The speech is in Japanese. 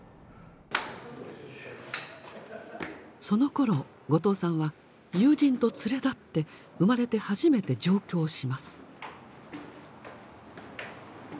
そのころ後藤さんは友人と連れ立って生まれて初めて上京します。